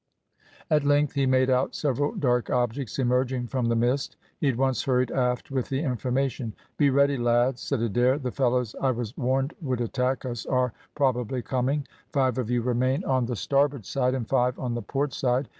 At length he made out several dark objects emerging from the mist. He at once hurried aft with the information. "Be ready, lads!" said Adair; "the fellows I was warned would attack us are probably coming. Five of you remain on the starboard side, and five on the port side.